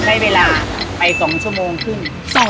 น้ำตาลหมดเลย๑ถ้วย